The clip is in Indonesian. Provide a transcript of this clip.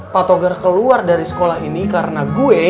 pak togar keluar dari sekolah ini karena gue